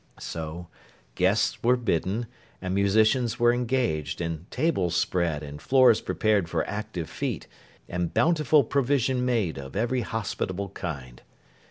So, guests were bidden, and musicians were engaged, and tables spread, and floors prepared for active feet, and bountiful provision made, of every hospitable kind.